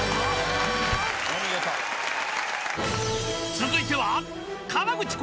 ［続いては］